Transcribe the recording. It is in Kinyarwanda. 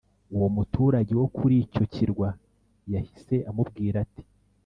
Uwo muturage wo kuri icyo kirwa yahise amubwira ati